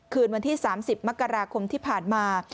คืนวันที่๓๐มกราคมที่ผ่านมา